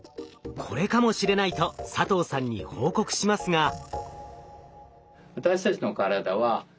これかもしれないと佐藤さんに報告しますが。